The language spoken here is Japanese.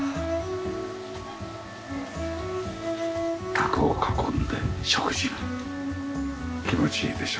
卓を囲んで食事も気持ちいいでしょうね。